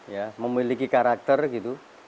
ya memiliki karakter gitu